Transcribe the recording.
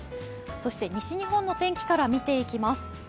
そして西日本の天気から見ていきます。